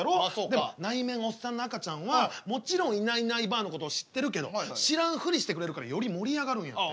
でも内面おっさんの赤ちゃんはもちろんいないいないばあのことを知ってるけど知らんふりしてくれるからより盛り上がるんやて。